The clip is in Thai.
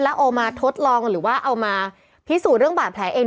แล้วเอามาทดลองหรือว่าเอามาพิสูจน์เรื่องบาดแผลเอง